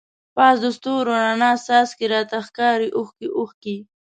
پاس دستورو راڼه څاڅکی، راته ښکاری اوښکی اوښکی